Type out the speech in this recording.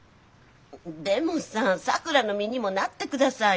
でもささくらの身にもなってくださいよ。